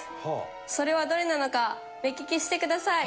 それはどれなのか目利きしてください。